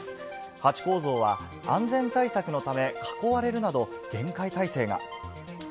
ハチ公像は安全対策のため、囲われるなど、厳戒態勢が。